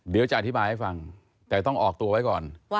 เดี๋ยวจะอธิบายให้ฟังแต่ต้องออกตัวไว้ก่อน